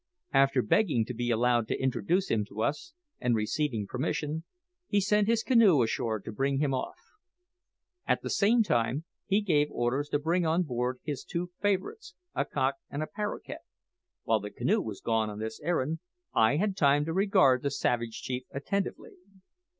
After begging to be allowed to introduce him to us, and receiving permission, he sent his canoe ashore to bring him off. At the same time he gave orders to bring on board his two favourites, a cock and a paroquet. While the canoe was gone on this errand, I had time to regard the savage chief attentively.